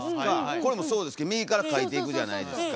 これもそうですけど右から書いていくじゃないですか。